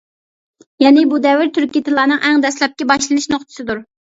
يەنى، بۇ دەۋر تۈركىي تىللارنىڭ ئەڭ دەسلەپكى باشلىنىش نۇقتىسىدۇر.